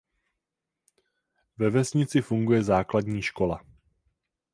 Ve vesnici funguje základní škola.